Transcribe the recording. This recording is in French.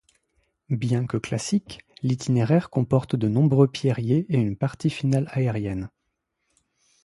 Bien que classique, l'itinéraire comporte de nombreux pierriers et une partie finale aérienne.